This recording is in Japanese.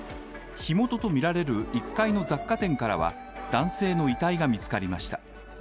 火元とみられる１階の雑貨店からは男性の遺体が見つかりました。